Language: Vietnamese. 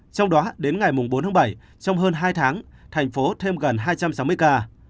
trong đó đến ngày bốn tháng bảy trong hơn hai tháng thành phố thêm gần hai trăm sáu mươi ca